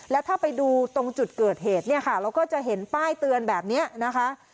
แล้วถ้าไปดูตรงจุดเกิดเหตุเนี่ยค่ะเราก็จะเห็นป้ายเตือนแบบนี้นะคะ